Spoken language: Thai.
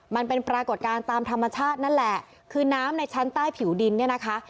มันเป็นปรากฏการณ์ตามธรรมชาตินั่นแหละคือน้ำในชั้นใต้ผิวดินเนี่ยนะคะ